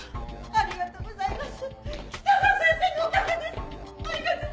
ありがとうございます！